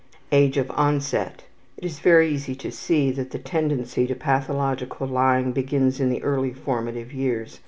Age of Onset. It is very easy to see that the tendency to pathological lying begins in the early formative years.